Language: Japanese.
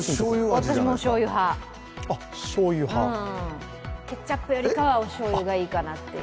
私はしょうゆ派、ケチャップよりはおしょうゆがいいかな。